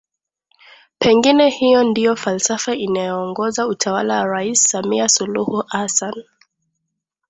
Pengine hiyo ndiyo falsafa inayoongoza utawala wa Rais Samia Suluhu Hassan